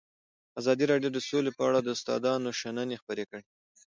ازادي راډیو د سوله په اړه د استادانو شننې خپرې کړي.